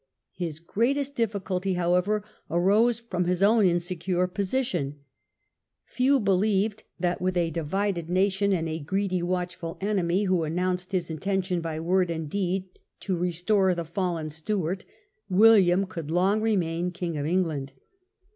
His greatest difficulty, however, arose from his own in secure position: few believed that, with a divided nation, and a greedy, watchful enemy, who announced inggcurit his intention by word and deed to restore the breeds trea fallen Stewart, William could long remain King ®°°' of England.